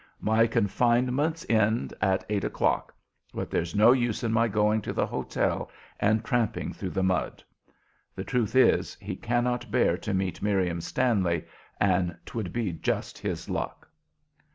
My confinements end at eight o'clock, but there's no use in my going to the hotel and tramping through the mud." The truth is, he cannot bear to meet Miriam Stanley, and 'twould be just his luck.